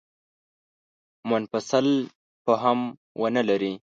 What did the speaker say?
منفصل فهم ونه لري.